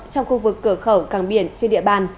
trong khu vực cửa khẩu càng biển trên địa bàn